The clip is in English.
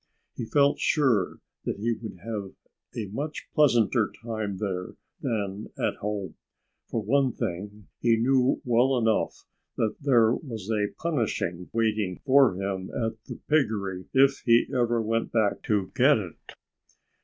He felt sure that he would have a much pleasanter time there than at home. For one thing, he knew well enough that there was a punishing waiting for him at the piggery if he ever went back to get it.